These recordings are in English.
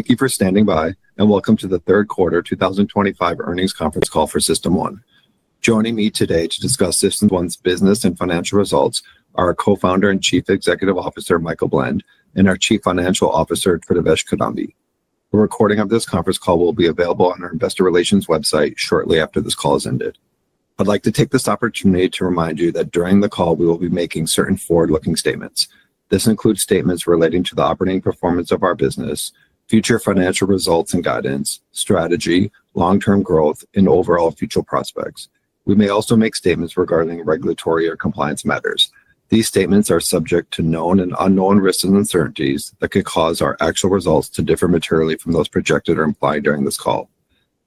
Thank you for standing by, and welcome to the Third Quarter 2025 Earnings Conference Call for System1. Joining me today to discuss System1's business and financial results are our Co-founder and Chief Executive Officer, Michael Blend, and our Chief Financial Officer, Tridivesh Kidambi. The recording of this conference call will be available on our investor relations website shortly after this call has ended. I'd like to take this opportunity to remind you that during the call we will be making certain forward-looking statements. This includes statements relating to the operating performance of our business, future financial results and guidance, strategy, long-term growth, and overall future prospects. We may also make statements regarding regulatory or compliance matters. These statements are subject to known and unknown risks and uncertainties that could cause our actual results to differ materially from those projected or implied during this call.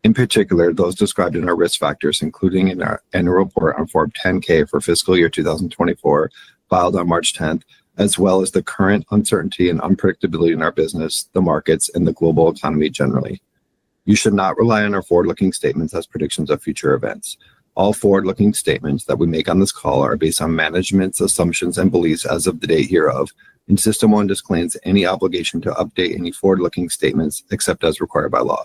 In particular, those described in our risk factors, including in our annual report on Form 10-K for fiscal year 2024, filed on March 10th, as well as the current uncertainty and unpredictability in our business, the markets, and the global economy generally. You should not rely on our forward-looking statements as predictions of future events. All forward-looking statements that we make on this call are based on management's assumptions and beliefs as of the date hereof, and System1 disclaims any obligation to update any forward-looking statements except as required by law.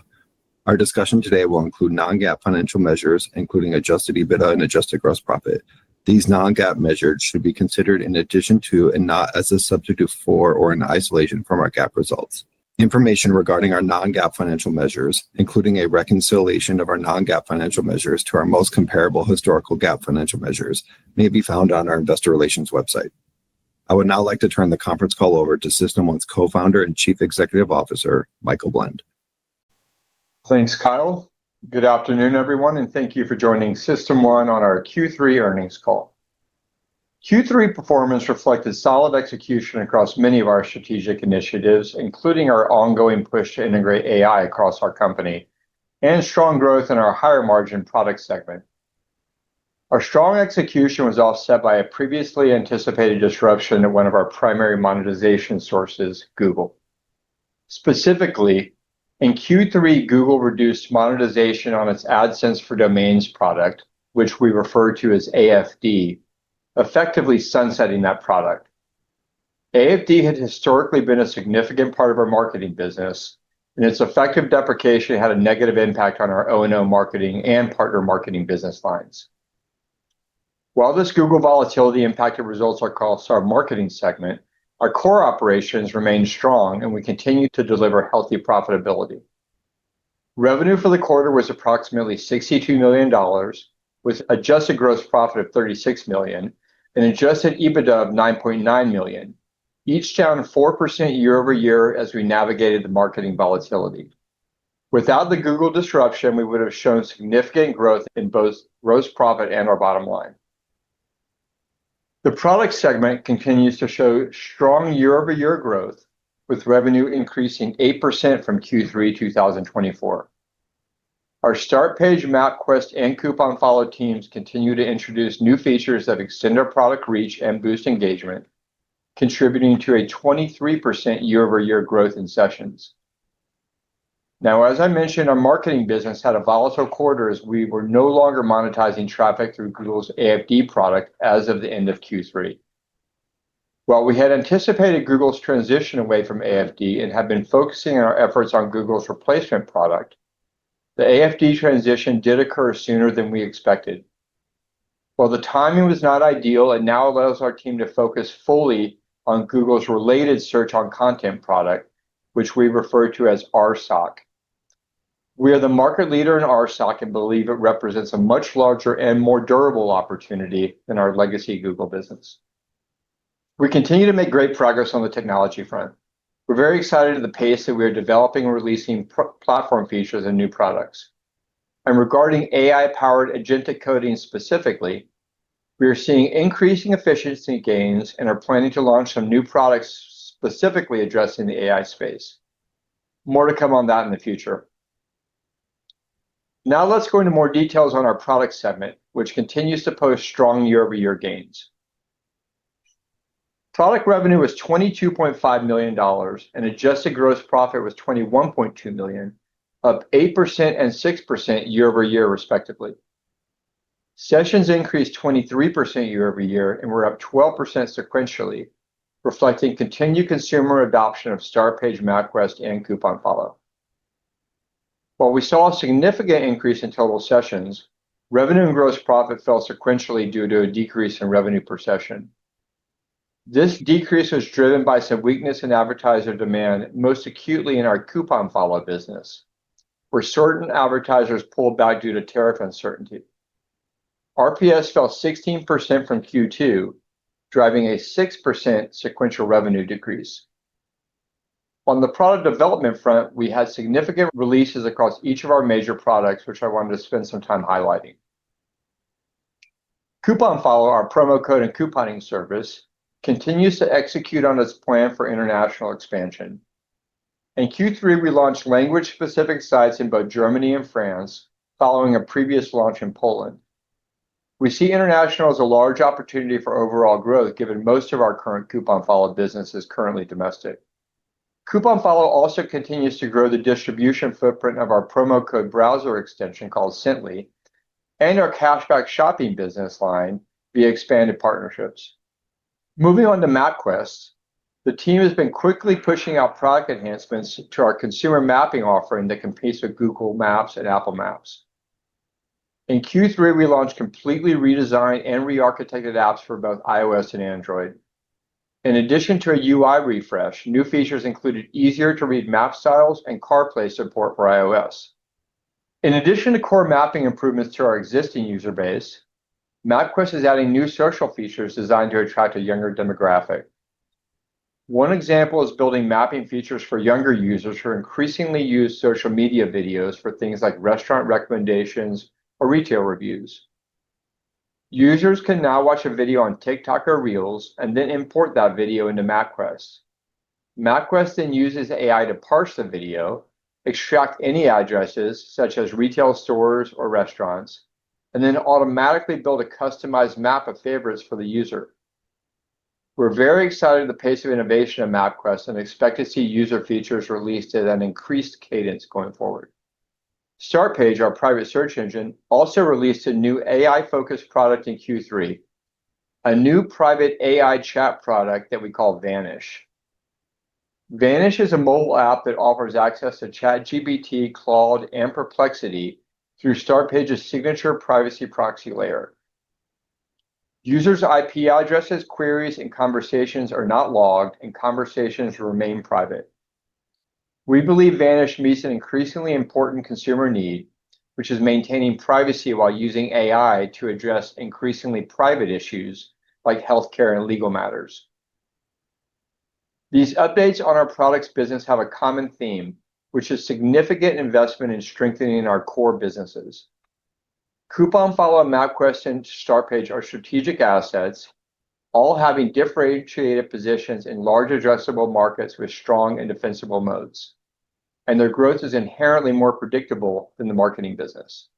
Our discussion today will include non-GAAP financial measures, including adjusted EBITDA and adjusted gross profit. These non-GAAP measures should be considered in addition to and not as a substitute for or in isolation from our GAAP results. Information regarding our non-GAAP financial measures, including a reconciliation of our non-GAAP financial measures to our most comparable historical GAAP financial measures, may be found on our investor relations website. I would now like to turn the conference call over to System1's Co-founder and Chief Executive Officer, Michael Blend. Thanks, Kyle. Good afternoon, everyone, and thank you for joining System1 on our Q3 Earnings Call. Q3 performance reflected solid execution across many of our strategic initiatives, including our ongoing push to integrate AI across our company and strong growth in our higher margin product segment. Our strong execution was offset by a previously anticipated disruption at one of our primary monetization sources, Google. Specifically, in Q3, Google reduced monetization on its AdSense for Domains product, which we refer to as AFD, effectively sunsetting that product. AFD had historically been a significant part of our marketing business. Its effective deprecation had a negative impact on our O&O marketing and partner marketing business lines. While this Google volatility impacted results across our marketing segment, our core operations remained strong, and we continued to deliver healthy profitability. Revenue for the quarter was approximately $62 million, with adjusted gross profit of $36 million and adjusted EBITDA of $9.9 million, each down 4% year over year as we navigated the marketing volatility. Without the Google disruption, we would have shown significant growth in both gross profit and our bottom line. The product segment continues to show strong year-over-year growth, with revenue increasing 8% from Q3 2024. Our Startpage, MapQuest, and CouponFollow teams continue to introduce new features that extend our product reach and boost engagement, contributing to a 23% year-over-year growth in sessions. Now, as I mentioned, our marketing business had a volatile quarter as we were no longer monetizing traffic through Google's AFD product as of the end of Q3. While we had anticipated Google's transition away from AFD and had been focusing our efforts on Google's replacement product, the AFD transition did occur sooner than we expected. While the timing was not ideal, it now allows our team to focus fully on Google's Related Search on Content product, which we refer to as RSOC. We are the market leader in RSOC and believe it represents a much larger and more durable opportunity than our legacy Google business. We continue to make great progress on the technology front. We're very excited at the pace that we are developing and releasing platform features and new products. Regarding AI-powered agentic coding specifically, we are seeing increasing efficiency gains and are planning to launch some new products specifically addressing the AI space. More to come on that in the future. Now let's go into more details on our product segment, which continues to post strong year-over-year gains. Product revenue was $22.5 million and adjusted gross profit was $21.2 million, up 8% and 6% year over year respectively. Sessions increased 23% year over year and were up 12% sequentially, reflecting continued consumer adoption of Startpage, MapQuest, and CouponFollow. While we saw a significant increase in total sessions, revenue and gross profit fell sequentially due to a decrease in revenue per session. This decrease was driven by some weakness in advertiser demand, most acutely in our CouponFollow business, where certain advertisers pulled back due to tariff uncertainty. RPS fell 16% from Q2, driving a 6% sequential revenue decrease. On the product development front, we had significant releases across each of our major products, which I wanted to spend some time highlighting. CouponFollow, our promo code and couponing service, continues to execute on its plan for international expansion. In Q3, we launched language-specific sites in both Germany and France, following a previous launch in Poland. We see international as a large opportunity for overall growth, given most of our current CouponFollow business is currently domestic. CouponFollow also continues to grow the distribution footprint of our promo code browser extension called Sently, and our cashback shopping business line via expanded partnerships. Moving on to MapQuest, the team has been quickly pushing out product enhancements to our consumer mapping offering that competes with Google Maps and Apple Maps. In Q3, we launched completely redesigned and re-architected apps for both iOS and Android. In addition to a UI refresh, new features included easier-to-read map styles and CarPlay support for iOS. In addition to core mapping improvements to our existing user base, MapQuest is adding new social features designed to attract a younger demographic. One example is building mapping features for younger users who increasingly use social media videos for things like restaurant recommendations or retail reviews. Users can now watch a video on TikTok or Reels and then import that video into MapQuest. MapQuest then uses AI to parse the video, extract any addresses such as retail stores or restaurants, and then automatically build a customized map of favorites for the user. We're very excited at the pace of innovation in MapQuest and expect to see user features released at an increased cadence going forward. Startpage, our private search engine, also released a new AI-focused product in Q3. A new private AI chat product that we call Vanish. Vanish is a mobile app that offers access to ChatGPT, Claude, and Perplexity through Startpage's signature privacy proxy layer. Users' IP addresses, queries, and conversations are not logged, and conversations remain private. We believe Vanish meets an increasingly important consumer need, which is maintaining privacy while using AI to address increasingly private issues like healthcare and legal matters. These updates on our products business have a common theme, which is significant investment in strengthening our core businesses. CouponFollow, MapQuest, and Startpage are strategic assets, all having differentiated positions in large addressable markets with strong and defensible moats. Their growth is inherently more predictable than the marketing business.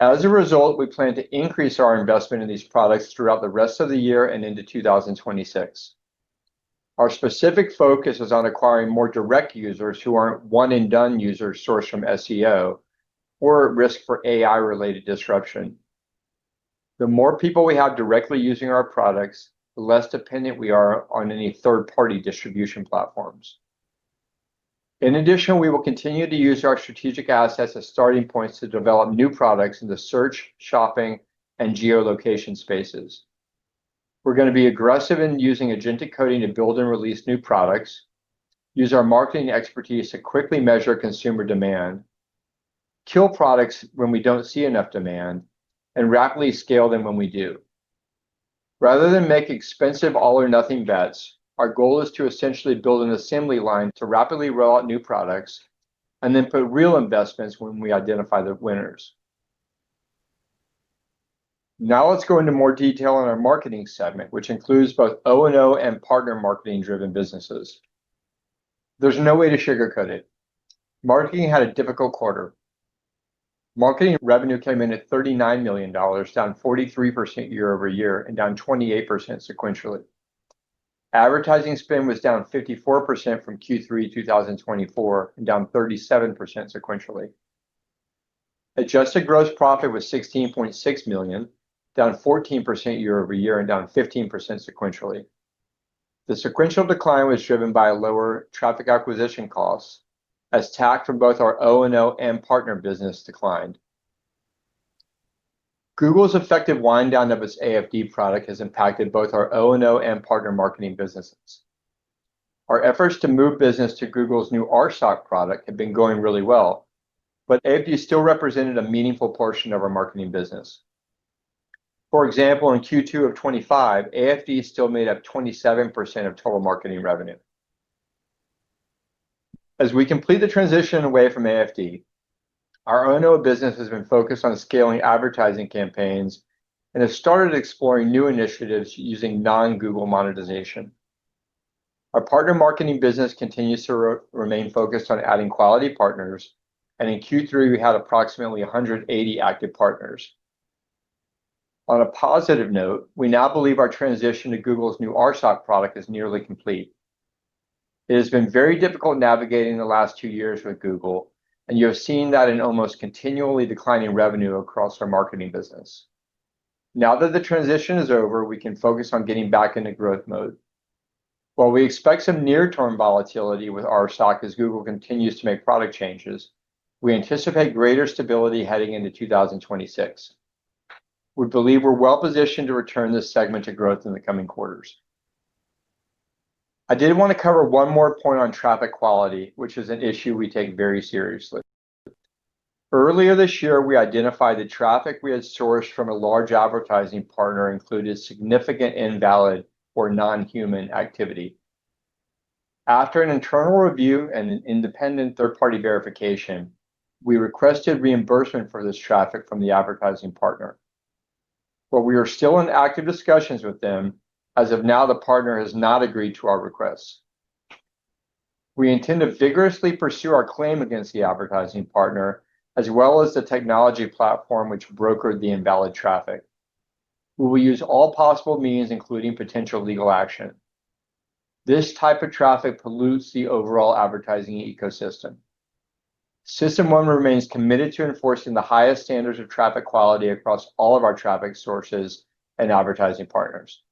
As a result, we plan to increase our investment in these products throughout the rest of the year and into 2026. Our specific focus is on acquiring more direct users who aren't one-and-done users sourced from SEO or at risk for AI-related disruption. The more people we have directly using our products, the less dependent we are on any third-party distribution platforms. In addition, we will continue to use our strategic assets as starting points to develop new products in the search, shopping, and geolocation spaces. We're going to be aggressive in using agentic coding to build and release new products, use our marketing expertise to quickly measure consumer demand, kill products when we don't see enough demand, and rapidly scale them when we do. Rather than make expensive all-or-nothing bets, our goal is to essentially build an assembly line to rapidly roll out new products and then put real investments when we identify the winners. Now let's go into more detail on our marketing segment, which includes both O&O and partner marketing-driven businesses. There's no way to sugarcoat it. Marketing had a difficult quarter. Marketing revenue came in at $39 million, down 43% year over year and down 28% sequentially. Advertising spend was down 54% from Q3 2024 and down 37% sequentially. Adjusted gross profit was $16.6 million, down 14% year over year and down 15% sequentially. The sequential decline was driven by lower traffic acquisition costs as TAC from both our O&O and partner business declined. Google's effective wind-down of its AFD product has impacted both our O&O and partner marketing businesses. Our efforts to move business to Google's new RSOC product have been going really well, but AFD still represented a meaningful portion of our marketing business. For example, in Q2 of 2025, AFD still made up 27% of total marketing revenue. As we complete the transition away from AFD, our O&O business has been focused on scaling advertising campaigns and has started exploring new initiatives using non-Google monetization. Our partner marketing business continues to remain focused on adding quality partners, and in Q3, we had approximately 180 active partners. On a positive note, we now believe our transition to Google's new RSOC product is nearly complete. It has been very difficult navigating the last two years with Google, and you have seen that in almost continually declining revenue across our marketing business. Now that the transition is over, we can focus on getting back into growth mode. While we expect some near-term volatility with RSOC as Google continues to make product changes, we anticipate greater stability heading into 2026. We believe we're well-positioned to return this segment to growth in the coming quarters. I did want to cover one more point on traffic quality, which is an issue we take very seriously. Earlier this year, we identified the traffic we had sourced from a large advertising partner included significant invalid or non-human activity. After an internal review and an independent third-party verification, we requested reimbursement for this traffic from the advertising partner. We are still in active discussions with them. As of now, the partner has not agreed to our requests. We intend to vigorously pursue our claim against the advertising partner, as well as the technology platform which brokered the invalid traffic. We will use all possible means, including potential legal action. This type of traffic pollutes the overall advertising ecosystem. System1 remains committed to enforcing the highest standards of traffic quality across all of our traffic sources and advertising partners.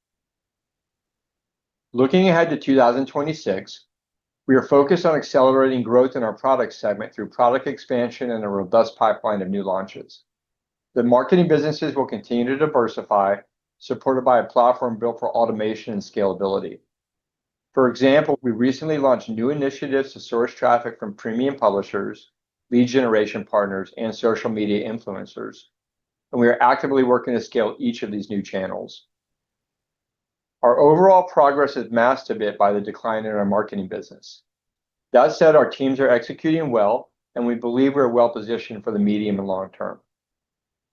Looking ahead to 2026, we are focused on accelerating growth in our product segment through product expansion and a robust pipeline of new launches. The marketing businesses will continue to diversify, supported by a platform built for automation and scalability. For example, we recently launched new initiatives to source traffic from premium publishers, lead generation partners, and social media influencers, and we are actively working to scale each of these new channels. Our overall progress is masked a bit by the decline in our marketing business. That said, our teams are executing well, and we believe we're well-positioned for the medium and long term.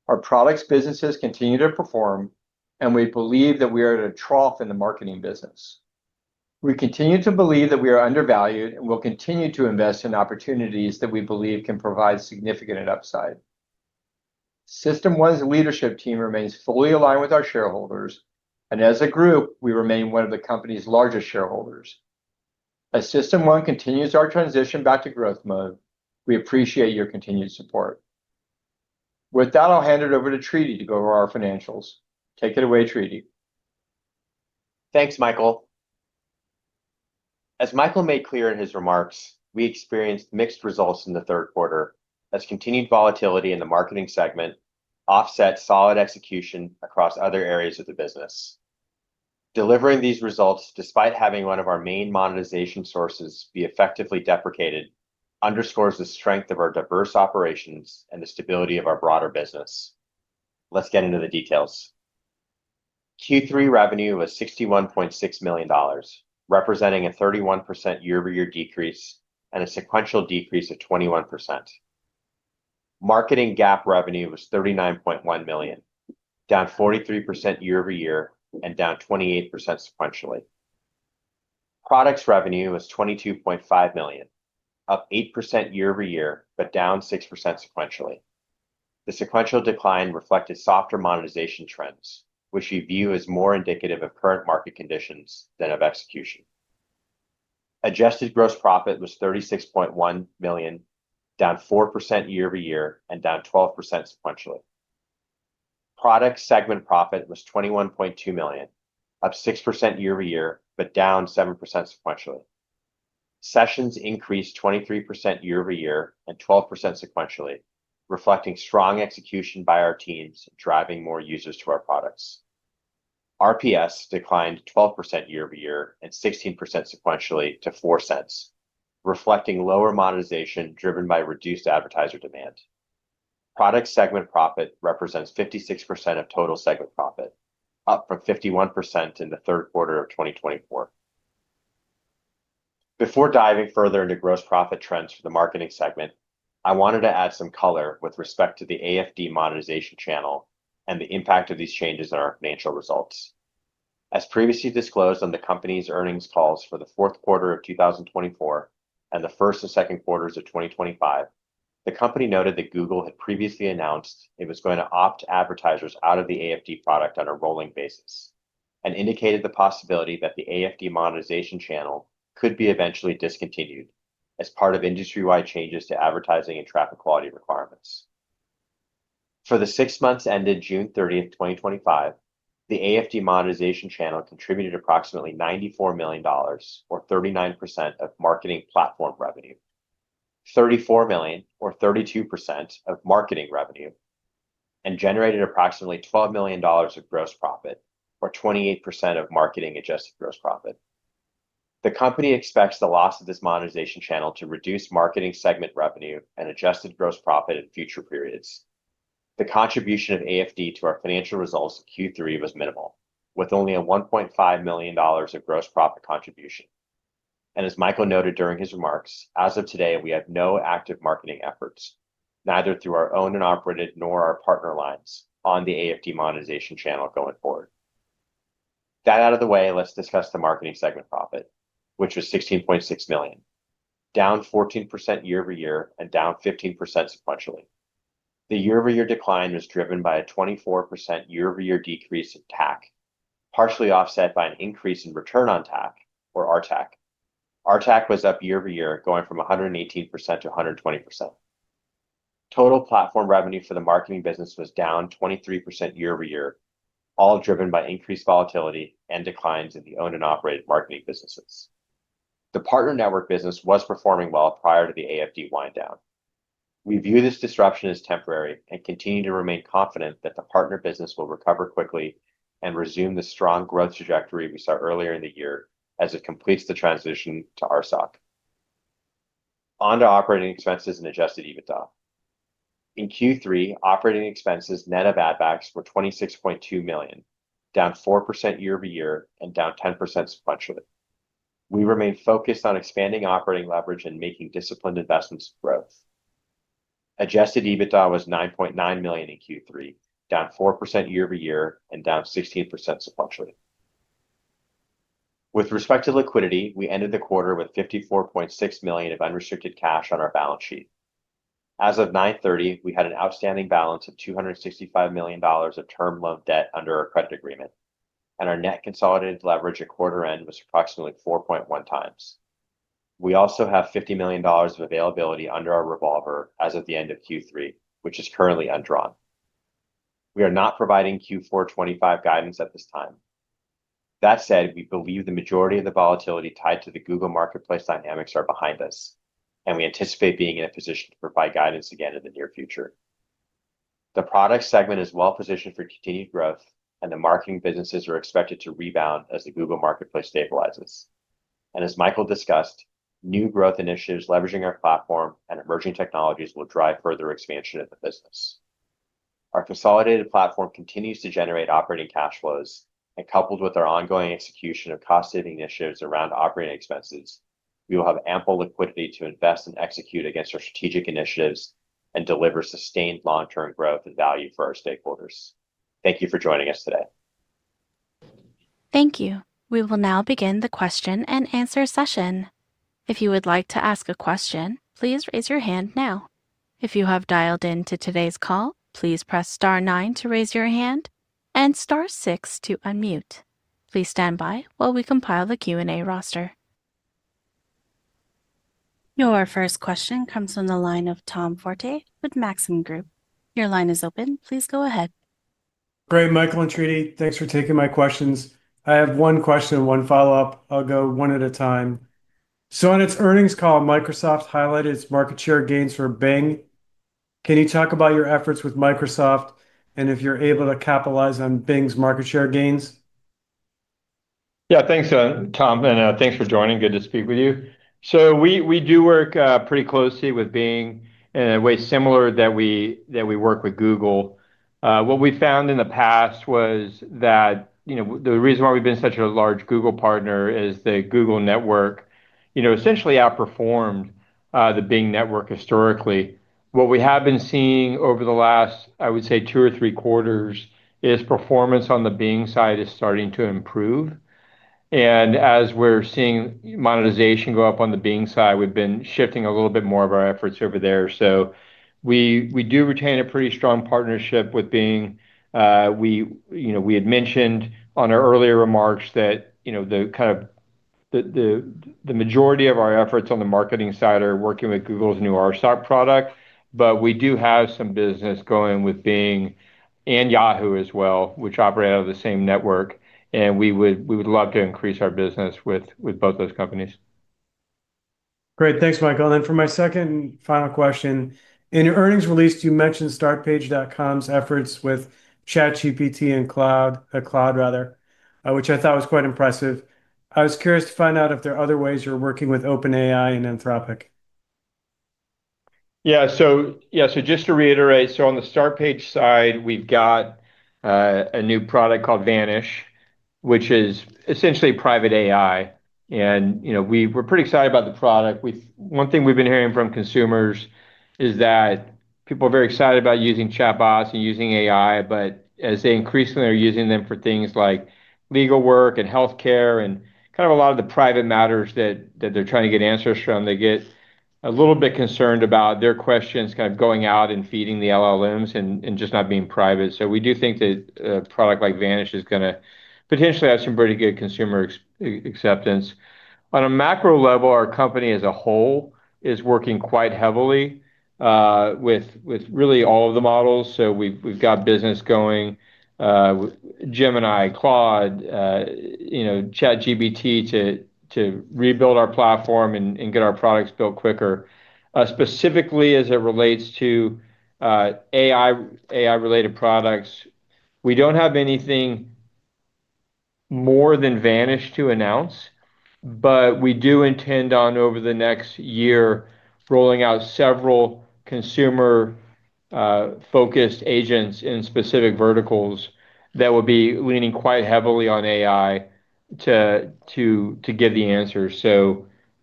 Our products businesses continue to perform, and we believe that we are at a trough in the marketing business. We continue to believe that we are undervalued and will continue to invest in opportunities that we believe can provide significant upside. System1's leadership team remains fully aligned with our shareholders, and as a group, we remain one of the company's largest shareholders. As System1 continues our transition back to growth mode, we appreciate your continued support. With that, I'll hand it over to Tridivesh to go over our financials. Take it away, Tridivesh. Thanks, Michael. As Michael made clear in his remarks, we experienced mixed results in the third quarter, as continued volatility in the marketing segment offset solid execution across other areas of the business. Delivering these results despite having one of our main monetization sources be effectively deprecated underscores the strength of our diverse operations and the stability of our broader business. Let's get into the details. Q3 revenue was $61.6 million, representing a 31% year-over-year decrease and a sequential decrease of 21%. Marketing GAAP revenue was $39.1 million, down 43% year-over-year and down 28% sequentially. Products revenue was $22.5 million, up 8% year-over-year but down 6% sequentially. The sequential decline reflected softer monetization trends, which we view as more indicative of current market conditions than of execution. Adjusted gross profit was $36.1 million, down 4% year-over-year and down 12% sequentially. Product segment profit was $21.2 million, up 6% year-over-year but down 7% sequentially. Sessions increased 23% year-over-year and 12% sequentially, reflecting strong execution by our teams driving more users to our products. RPS declined 12% year-over-year and 16% sequentially to $0.04, reflecting lower monetization driven by reduced advertiser demand. Product segment profit represents 56% of total segment profit, up from 51% in the third quarter of 2024. Before diving further into gross profit trends for the marketing segment, I wanted to add some color with respect to the AFD monetization channel and the impact of these changes on our financial results. As previously disclosed on the company's earnings calls for the fourth quarter of 2024 and the first and second quarters of 2025, the company noted that Google had previously announced it was going to opt advertisers out of the AFD product on a rolling basis and indicated the possibility that the AFD monetization channel could be eventually discontinued as part of industry-wide changes to advertising and traffic quality requirements. For the six months ended June 30, 2025, the AFD monetization channel contributed approximately $94 million, or 39% of marketing platform revenue, $34 million, or 32% of marketing revenue, and generated approximately $12 million of gross profit, or 28% of marketing adjusted gross profit. The company expects the loss of this monetization channel to reduce marketing segment revenue and adjusted gross profit in future periods. The contribution of AFD to our financial results in Q3 was minimal, with only a $1.5 million of gross profit contribution. As Michael noted during his remarks, as of today, we have no active marketing efforts, neither through our owned and operated nor our partner lines on the AFD monetization channel going forward. That out of the way, let's discuss the marketing segment profit, which was $16.6 million, down 14% year-over-year and down 15% sequentially. The year-over-year decline was driven by a 24% year-over-year decrease in TAC, partially offset by an increase in return on TAC, or RTAC. RTAC was up year-over-year, going from 118% to 120%. Total platform revenue for the marketing business was down 23% year-over-year, all driven by increased volatility and declines in the owned and operated marketing businesses. The partner network business was performing well prior to the AFD wind-down. We view this disruption as temporary and continue to remain confident that the partner business will recover quickly and resume the strong growth trajectory we saw earlier in the year as it completes the transition to RSOC. On to operating expenses and adjusted EBITDA. In Q3, operating expenses net of add-backs were $26.2 million, down 4% year-over-year and down 10% sequentially. We remain focused on expanding operating leverage and making disciplined investments growth. Adjusted EBITDA was $9.9 million in Q3, down 4% year-over-year and down 16% sequentially. With respect to liquidity, we ended the quarter with $54.6 million of unrestricted cash on our balance sheet. As of 9/30, we had an outstanding balance of $265 million of term-loan debt under our credit agreement, and our net consolidated leverage at quarter-end was approximately 4.1 times. We also have $50 million of availability under our revolver as of the end of Q3, which is currently undrawn. We are not providing Q4 2025 guidance at this time. That said, we believe the majority of the volatility tied to the Google Marketplace dynamics are behind us, and we anticipate being in a position to provide guidance again in the near future. The product segment is well-positioned for continued growth, and the marketing businesses are expected to rebound as the Google Marketplace stabilizes. As Michael discussed, new growth initiatives leveraging our platform and emerging technologies will drive further expansion of the business. Our consolidated platform continues to generate operating cash flows, and coupled with our ongoing execution of cost-saving initiatives around operating expenses, we will have ample liquidity to invest and execute against our strategic initiatives and deliver sustained long-term growth and value for our stakeholders. Thank you for joining us today. Thank you. We will now begin the question and answer session. If you would like to ask a question, please raise your hand now. If you have dialed into today's call, please press star 9 to raise your hand and star 6 to unmute. Please stand by while we compile the Q&A roster. Your first question comes from the line of Tom Forte with Maxim Group. Your line is open. Please go ahead. Great, Michael and Tridivesh. Thanks for taking my questions. I have one question and one follow-up. I'll go one at a time. On its earnings call, Microsoft highlighted its market share gains for Bing. Can you talk about your efforts with Microsoft and if you're able to capitalize on Bing's market share gains? Yeah, thanks, Tom, and thanks for joining. Good to speak with you. We do work pretty closely with Bing in a way similar that we work with Google. What we found in the past was that the reason why we've been such a large Google partner is the Google network, you know, essentially outperformed the Bing network historically. What we have been seeing over the last, I would say, two or three quarters is performance on the Bing side is starting to improve. As we're seeing monetization go up on the Bing side, we've been shifting a little bit more of our efforts over there. We do retain a pretty strong partnership with Bing. We had mentioned on our earlier remarks that the kind of. The majority of our efforts on the marketing side are working with Google's new RSOC product, but we do have some business going with Bing and Yahoo as well, which operate out of the same network, and we would love to increase our business with both those companies. Great, thanks, Michael. For my second final question, in your earnings release, you mentioned Startpage.com's efforts with ChatGPT and Claude, a Claude rather, which I thought was quite impressive. I was curious to find out if there are other ways you're working with OpenAI and Anthropic. Yeah, just to reiterate, on the Startpage side, we've got a new product called Vanish, which is essentially private AI. We're pretty excited about the product. One thing we've been hearing from consumers is that people are very excited about using chatbots and using AI, but as they increasingly are using them for things like legal work and healthcare and kind of a lot of the private matters that they're trying to get answers from, they get a little bit concerned about their questions kind of going out and feeding the LLMs and just not being private. We do think that a product like Vanish is going to potentially have some pretty good consumer acceptance. On a macro level, our company as a whole is working quite heavily with really all of the models. We've got business going. Gemini, Claude, ChatGPT to rebuild our platform and get our products built quicker. Specifically, as it relates to AI-related products, we don't have anything. More than Vanish to announce, but we do intend on over the next year rolling out several consumer-focused agents in specific verticals that will be leaning quite heavily on AI to give the answers.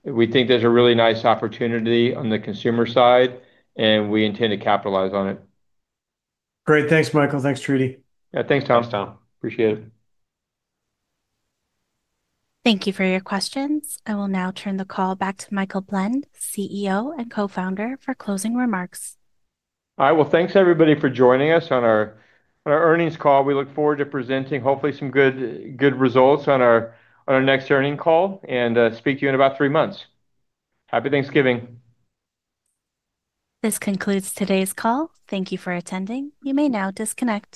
We think there is a really nice opportunity on the consumer side, and we intend to capitalize on it. Great, thanks, Michael. Thanks, Treaty. Yeah, thanks, Tom. Appreciate it. Thank you for your questions. I will now turn the call back to Michael Blend, CEO and co-founder, for closing remarks. All right, thanks everybody for joining us on our earnings call. We look forward to presenting, hopefully, some good results on our next earnings call and speak to you in about three months. Happy Thanksgiving. This concludes today's call. Thank you for attending. You may now disconnect.